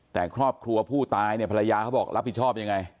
แต่ครอบครัวผู้ตายเนี่ยภรรยาเขาบอกรับผิดชอบยังไง